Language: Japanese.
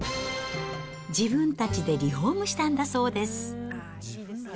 自分たちでリフォームしたんだそうです。